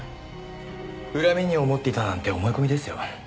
恨みに思っていたなんて思い込みですよ。